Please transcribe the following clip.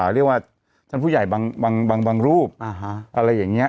เรียกว่าชั้นผู้ใหญ่บางรูปอะไรอย่างนี้